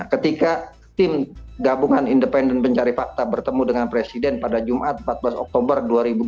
ketika tim gabungan independen pencari fakta bertemu dengan presiden pada jumat empat belas oktober dua ribu dua puluh